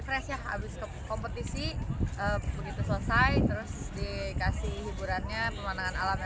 terus dikasih hiburannya pemandangan alam yang sangat bagus keren